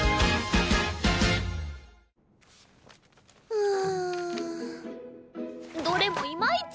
うんどれもいまいち。